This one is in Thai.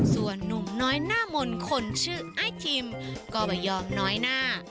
ส่วนนุ่มน้อยหน้ามนต์คนชื่อไอ้ทิมก็ไม่ยอมน้อยหน้า